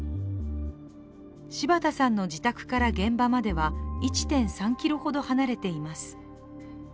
柴田さんの自宅から現場までは１．３ｋｍほど離れています。